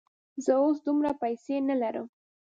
زه اوس دومره پیسې نه لرم.